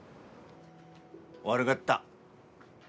悪がった。